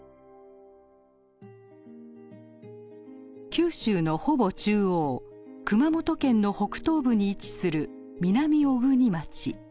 九州のほぼ中央熊本県の北東部に位置する南小国町。